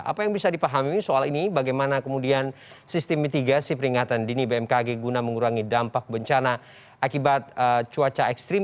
apa yang bisa dipahami soal ini bagaimana kemudian sistem mitigasi peringatan dini bmkg guna mengurangi dampak bencana akibat cuaca ekstrim